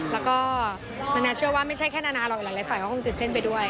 แล้วก็นานาเชื่อว่าไม่ใช่แค่นานาหรอกหลายฝ่ายก็คงตื่นเต้นไปด้วย